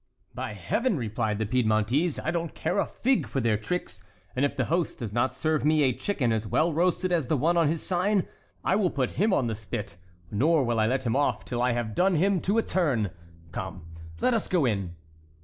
"By Heaven!" replied the Piedmontese, "I don't care a fig for their tricks; and if the host does not serve me a chicken as well roasted as the one on his sign, I will put him on the spit, nor will I let him off till I have done him to a turn. Come, let us go in."